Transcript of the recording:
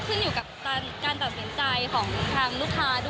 ก็ขึ้นอยู่กับการตัดสนใจด้วยของลูกค้า